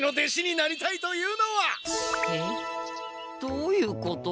どういうこと？